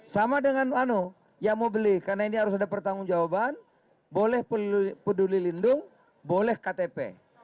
sama dengan yang mau beli karena ini harus ada pertanggung jawaban boleh peduli lindung boleh ktp